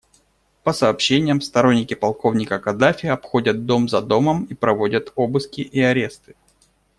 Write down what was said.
По сообщениям, сторонники полковника Каддафи обходят дом за домом и проводят обыски и аресты.